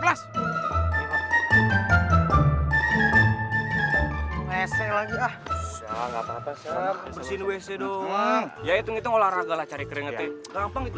kelas wc lagi ah enggak patah bersih wc dong ya itu olahraga cari keringetnya gampang itu